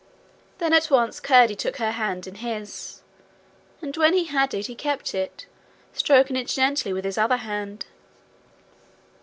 Then at once Curdie took her hand in his. And when he had it, he kept it, stroking it gently with his other hand.